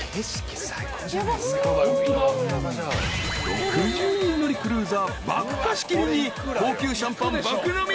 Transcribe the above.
［６０人乗りクルーザー爆貸し切りに高級シャンパン爆飲み。